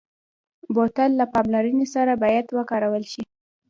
بوتل له پاملرنې سره باید وکارول شي.